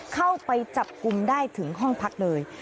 เข้าไปจับกลุ่มได้ถึงห้องพักเลย